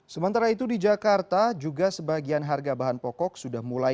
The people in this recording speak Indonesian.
sementara itu di jakarta juga sebagian harga bahan pokok sudah mulai